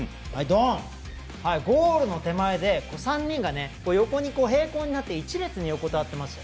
ゴールの手前で３人が横に並行になって一列に横たわっていますよね。